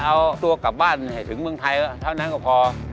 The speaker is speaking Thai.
เอาตัวกลับบ้านให้ถึงเมืองไทยเท่านั้นก็พอ